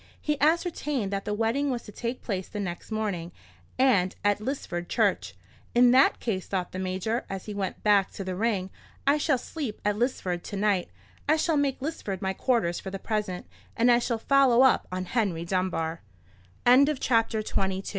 He ascertained that the wedding was to take place the next morning, and at Lisford church. "In that case," thought the Major, as he went back to the ring, "I shall sleep at Lisford to night; I shall make Lisford my quarters for the present, and I shall follow up Henry Dunbar." CHAPTER XXIII. THE BRIDE THAT THE RAIN RAINS ON.